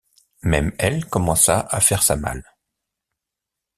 Même elle commença à faire sa malle.